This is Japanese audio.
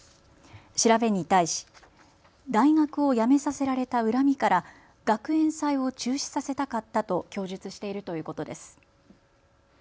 調べに対し大学をやめさせられた恨みから学園祭を中止させたかったと供述しているということです。